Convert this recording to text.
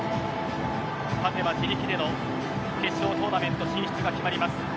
勝てば自力での決勝トーナメント進出が決まります。